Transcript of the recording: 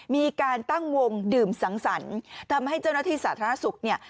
มีการตั้งวงดื่มสังสรรค์ทำให้เจ้าหน้าที่สาธารณสุขเนี่ย